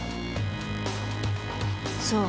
［そう。